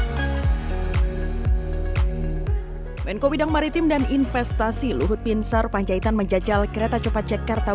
hai menko bidang maritim dan investasi luhut pinsar panjaitan menjajal kereta copacek karta